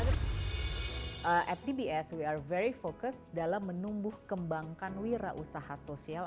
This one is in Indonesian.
di tbs kita sangat fokus dalam menumbuh kembangkan wirausaha sosial